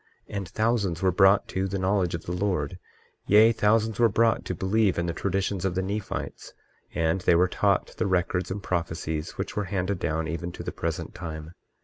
23:5 And thousands were brought to the knowledge of the Lord, yea, thousands were brought to believe in the traditions of the Nephites; and they were taught the records and prophecies which were handed down even to the present time.